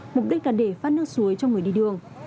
mục đích là để phát nước suối cho người đi đường